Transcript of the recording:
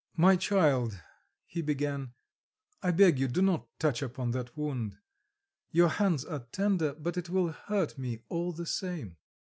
"My child," he began, "I beg you, do not touch upon that wound; your hands are tender, but it will hurt me all the same."